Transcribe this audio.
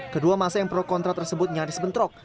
kedua masa yang pro kontra tersebut nyaris bentrok